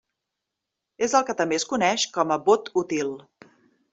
És el que també es coneix com a «vot útil».